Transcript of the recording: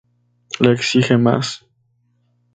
Le exige más.